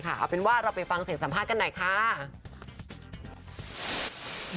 เอาเป็นว่าเราไปฟังเสียงสัมภาษณ์กันหน่อยค่ะ